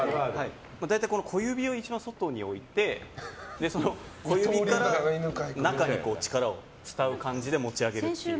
大体、小指を一番外に置いて小指から中に力を伝う感じで持ち上げるっていう。